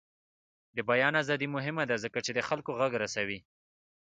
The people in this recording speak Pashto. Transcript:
د بیان ازادي مهمه ده ځکه چې د خلکو غږ رسوي.